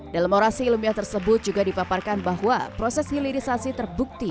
dalam orasi ilmiah tersebut juga dipaparkan bahwa proses hilirisasi terbukti